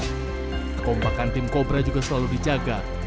kekompakan tim kobra juga selalu dijaga